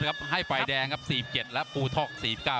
ครับให้ไฟแดงครับสี่สิบเจ็ดและภูทอกสี่สิบเก้า